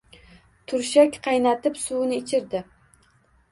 Turshak qaynatib suvini ichirdi.